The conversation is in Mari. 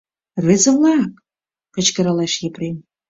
— Рвезе-влак! — кычкыралеш Епрем.